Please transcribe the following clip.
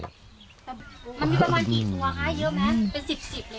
มีประมาณกี่ตัวคะเยอะมั้ยเป็นสิบเร็วมั้ย